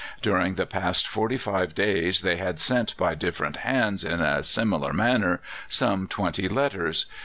During the past forty five days they had sent by different hands, in a similar manner, some twenty letters.